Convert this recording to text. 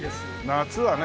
夏はね